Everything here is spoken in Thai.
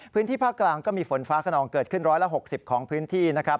พื้นที่ภาคกลางก็มีฝนฟ้าขนองเกิดขึ้น๑๖๐ของพื้นที่นะครับ